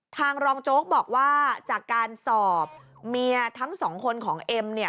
ทางรองโจ๊กบอกว่าจากการสอบเมียทั้งสองคนของเอ็มเนี่ย